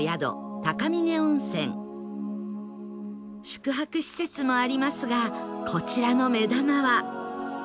宿泊施設もありますがこちらの目玉は